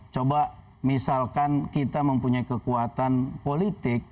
coba misalkan kita mempunyai kekuatan politik